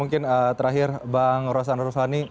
mungkin terakhir bang rosan rosani